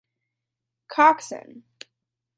Coxon.